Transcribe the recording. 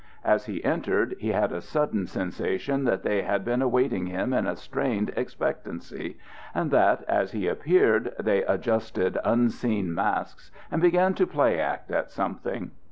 As he entered, he had a sudden sensation that they had been awaiting him in a strained expectancy, and that, as he appeared, they adjusted unseen masks and began to play act at something.